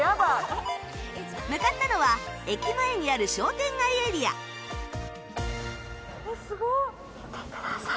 向かったのは駅前にある商店街エリアえっすごっ！